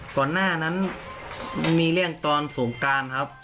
ก่อนหน้านั้นมันมีเรื่องตอนสงการครับ